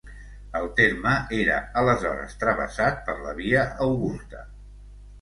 El terme era aleshores travessat per la via Augusta.